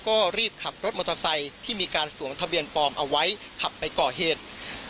ก็รีบขับรถมอเตอร์ไซค์ที่มีการสวมทะเบียนปลอมเอาไว้ขับไปก่อเหตุ